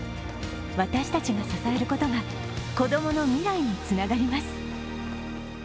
私たちが支えることが子供の未来につながります。